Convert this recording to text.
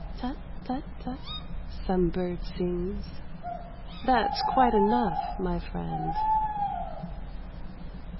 Tut, tut, tut, ... some bird sings, —• That's quite enough, my friend.